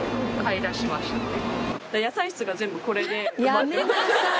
やめなさい！